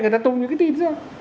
người ta tung những cái tin ra